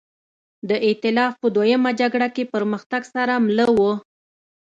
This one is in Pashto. د اېتلاف په دویمه جګړه کې پرمختګ سره مله وه.